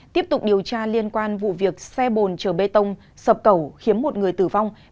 tiếp tục điều tra liên quan vụ việc xe bồn chở bê tông sập cầu khiến một người tử vong